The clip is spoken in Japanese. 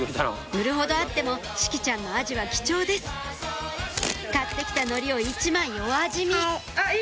売るほどあっても志葵ちゃんのアジは貴重です買ってきた海苔を１枚お味見はい。